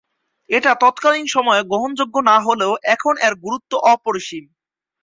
এটা তৎকালীন সময়ে গ্রহণযোগ্য না হলেও এখন এর গুরুত্ব অপরিসীম।